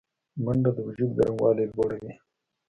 منډه د وجود ګرموالی لوړوي